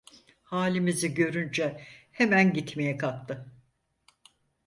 Halimizi görünce hemen gitmeye kalktı.